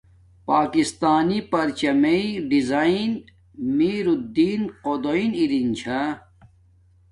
پاکستانی پرچامیݵ ڈیذاین امیرلدین قدوݵ ارین چھا